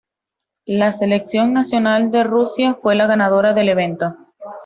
La selección nacional de Rusia fue la ganadora del evento.